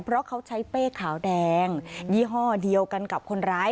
เพราะเขาใช้เป้ขาวแดงยี่ห้อเดียวกันกับคนร้าย